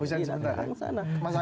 mas ami silahkan